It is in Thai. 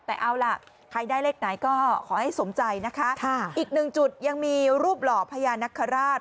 แต่เอาล่ะใครได้เลขไหนก็ขอให้สมใจนะคะอีกหนึ่งจุดยังมีรูปหล่อพญานคราช